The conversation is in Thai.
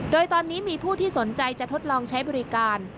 โดยตอนนี้มีผู้ที่สนใจจะทดลองใช้บริการ